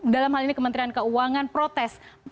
dalam hal ini kementerian keuangan protes